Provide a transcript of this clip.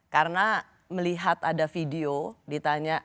karena melihat ada video ditanya